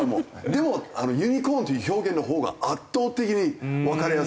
でもユニコーンっていう表現のほうが圧倒的にわかりやすいですよ。